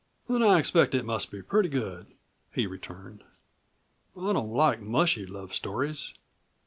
"Then I expect it must be pretty good," he returned. "I don't like mushy love stories."